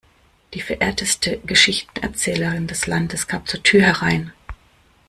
Die verehrteste Geschichtenerzählerin des Landes kam zur Tür herein.